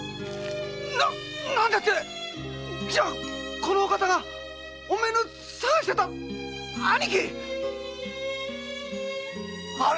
な何だって⁉じゃこのお方がおめえの捜してた兄貴⁉はる！